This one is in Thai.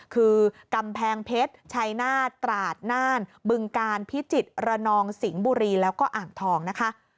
คือกำแพงเพชรชัยนาธตราดน่านบึงกาลพิจิตรระนองสิงห์บุรีแล้วก็อ่างทองนะคะ